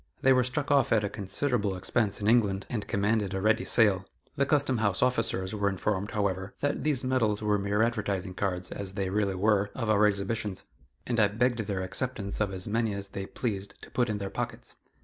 They were struck off at a considerable expense in England, and commanded a ready sale. The Custom house officers were informed, however, that these medals were mere advertising cards, as they really were, of our exhibitions, and I begged their acceptance of as many as they pleased to put in their pockets.